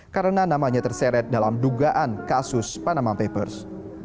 karena namanya terseret dalam dugaan kasus panama papers